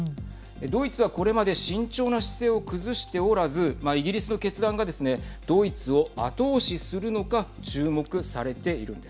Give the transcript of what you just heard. ドイツはこれまで慎重な姿勢を崩しておらずイギリスの決断がですねドイツを後押しするのかはい。